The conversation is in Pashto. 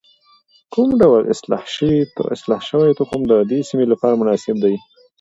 کوم ډول اصلاح شوی تخم د دې سیمې لپاره مناسب دی؟